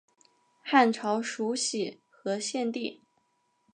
汉朝属徒河县地。